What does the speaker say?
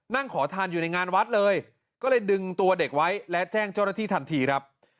นั่งขอทานอยู่ในงานวัดเลยก็เลยดึงตัวเด็กไว้และแจ้งเจ้าหน้าที่ทันทีครับ